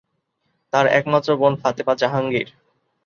তার একমাত্র বোন ফাতেমা জাহাঙ্গীর।